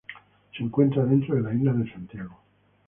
Se encuentra dentro de la isla de Santiago.